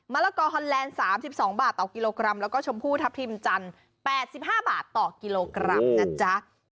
ละกอฮอนแลนด์๓๒บาทต่อกิโลกรัมแล้วก็ชมพู่ทัพทิมจันทร์๘๕บาทต่อกิโลกรัมนะจ๊ะ